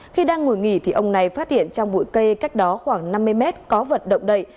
khi đang ngồi nghỉ thì ông này phát hiện trong bụi cây cách đó khoảng năm mươi mét có vật động đậy